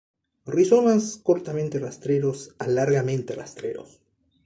Rizomas cortamente rastreros a largamente rastreros.